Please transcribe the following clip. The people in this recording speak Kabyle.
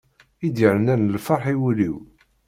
I d-yernan lferḥ i wul-iw.